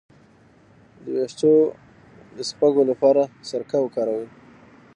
د ویښتو د شپږو لپاره سرکه وکاروئ